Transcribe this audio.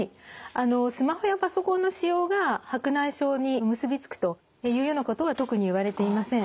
あのスマホやパソコンの使用が白内障に結び付くというようなことは特に言われていません。